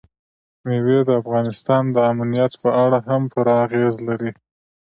مېوې د افغانستان د امنیت په اړه هم پوره اغېز لري.